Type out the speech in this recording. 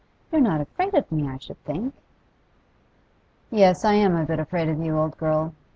You're not afraid of me, I should think.' 'Yes, I am a bit afraid of you, old girl.